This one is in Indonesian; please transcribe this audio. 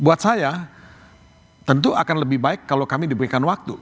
buat saya tentu akan lebih baik kalau kami diberikan waktu